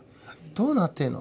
どうなってんの？